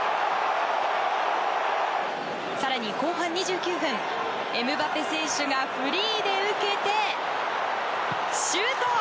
更に後半２９分エムバペ選手がフリーで受けてシュート！